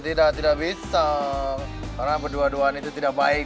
tidak bisa karena berduaan itu tidak baik